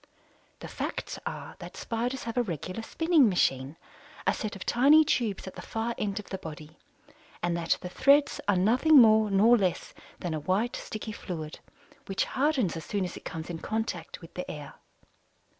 The facts are that Spiders have a regular spinning machine a set of tiny tubes at the far end of the body and that the threads are nothing more nor less than a white, sticky fluid, which hardens as soon as it comes in contact with the air.